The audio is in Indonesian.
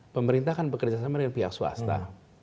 pemerintah akan bekerja sama dengan pihak swasta